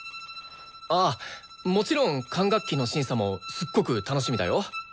あっもちろん管楽器の審査もすっごく楽しみだよ！